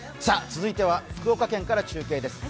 続いては福岡県から中継です。